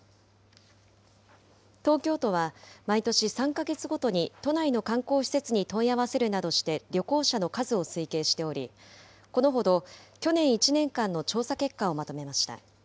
東京都は毎年３か月ごとに都内の観光施設に問い合わせるなどして旅行者の数を推計しており、このほど、去年１年間の調査結果をまとめました。